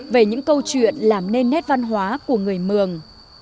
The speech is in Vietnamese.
về những câu chuyện làm nên nét văn hóa của người mường